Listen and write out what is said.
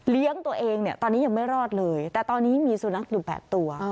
เลี้ยงตัวเองตอนนี้ยังไม่รอดเลยแต่ตอนนี้มีสุนัข๑๘ตัว